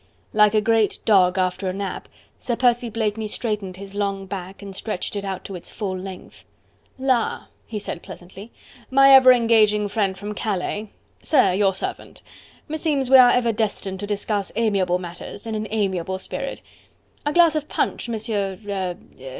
Like a great dog after a nap, Sir Percy Blakeney straightened his long back and stretched it out to its full length. "La!" he said pleasantly, "my ever engaging friend from Calais. Sir, your servant. Meseems we are ever destined to discuss amiable matters, in an amiable spirit.... A glass of punch, Monsieur... er...